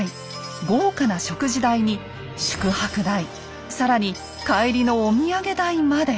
豪華な食事代に宿泊代更に帰りのお土産代まで。